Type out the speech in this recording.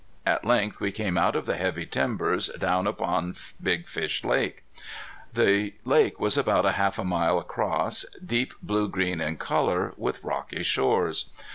At length we came out of the heavy timber down upon Big Fish Lake. This lake was about half a mile across, deep blue green in color, with rocky shores.